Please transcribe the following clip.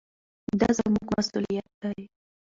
دا زموږ مسؤلیت دی.